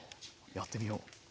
やってみよう。